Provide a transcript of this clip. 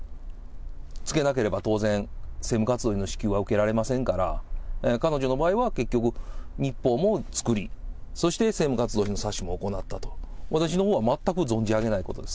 つけなければ当然、政務活動費の支給は受けられませんから、彼女の場合は、結局日報も作り、そして政務活動費の詐取も行ったと、私の方は全く存じ上げないことです。